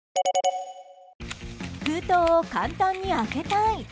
封筒を簡単に開けたい。